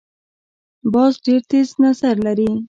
باز ډیر تېز نظر لري